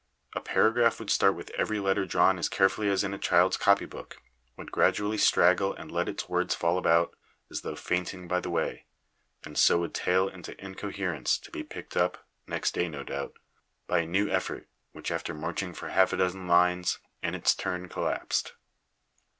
A paragraph would start with every letter drawn as carefully as in a child's copy book; would gradually straggle and let its words fall about, as though fainting by the way; and so would tail into incoherence, to be picked up next day, no doubt by a new effort, which, after marching for half a dozen lines, in its turn collapsed.